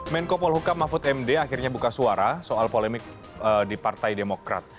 menko polhukam mahfud md akhirnya buka suara soal polemik di partai demokrat